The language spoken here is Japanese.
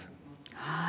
はい。